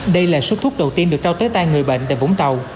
đây là số thuốc đầu tiên được trao tới tay người bệnh tại vũng tàu